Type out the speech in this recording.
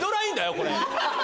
これ。